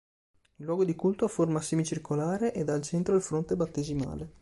Il luogo di culto ha forma semicircolare ed ha al centro il fonte battesimale.